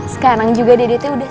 sekarang juga dede teh udah